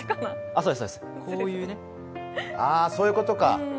ああ、そういうことか。